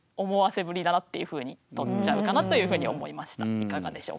いかがでしょうか？